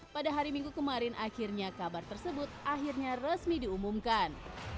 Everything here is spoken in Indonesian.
pada hari minggu kemarin akhirnya kabar tersebut akhirnya resmi diumumkan